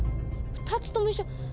２つとも一緒？